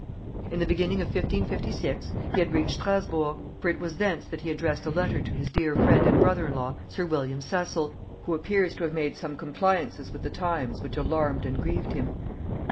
In the beginning of 1556 he had reached Strasburgh, for it was thence that he addressed a letter to his dear friend and brother in law sir William Cecil, who appears to have made some compliances with the times which alarmed and grieved him.